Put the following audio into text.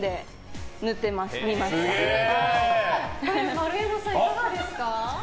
丸山さん、いかがですか？